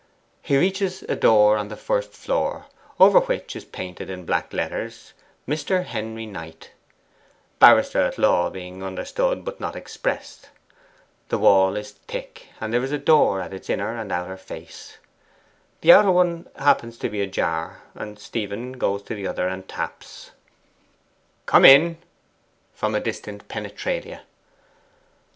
He reaches a door on the first floor, over which is painted, in black letters, 'Mr. Henry Knight' 'Barrister at law' being understood but not expressed. The wall is thick, and there is a door at its outer and inner face. The outer one happens to be ajar: Stephen goes to the other, and taps. 'Come in!' from distant penetralia.